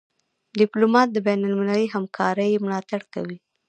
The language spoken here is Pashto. ډيپلومات د بینالمللي همکارۍ ملاتړ کوي.